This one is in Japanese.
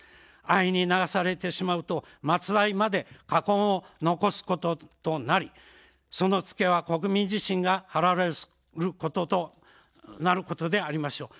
安易に流されてしまうと末代まで禍根を残すこととなり、その付けは国民自身が払わされることとなるでしょう。